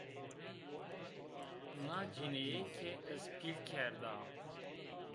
Na cinîke ez pîl kerda